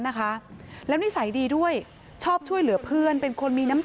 นะคะแล้วนิสัยดีด้วยชอบช่วยเหลือเพื่อนเป็นคนมีน้ำตา